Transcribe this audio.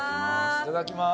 いただきます！